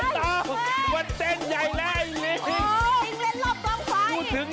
ไอ้ลิงนั่งมันต้องมันเต้นใหญ่แล้วอ้าวมาปูกกระดึ้ง